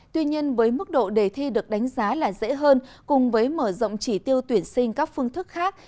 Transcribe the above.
tuy nhiên với mức độ đề thi được đánh giá là dễ hơn cùng với mở rộng chỉ tiêu tuyển sinh các phương thức khác